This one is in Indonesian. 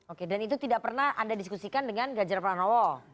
oke dan itu tidak pernah anda diskusikan dengan gajar pranowo